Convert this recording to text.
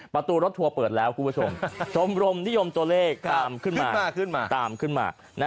ประตูรถทัวร์เปิดแล้วคุณผู้ชมชมรมนิยมตัวเลขตามขึ้นมาตามขึ้นมา